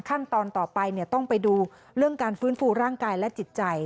ขั้นตอนต่อไปต้องไปดูเรื่องการฟื้นฟูร่างกายและจิตใจ